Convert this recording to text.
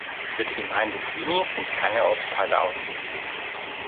Für die Gemeinde Sviny sind keine Ortsteile ausgewiesen.